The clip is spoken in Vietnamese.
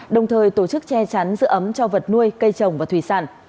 đồng thời tổ chức che chắn giữ ấm cho vật nuôi cây trồng và thủy sản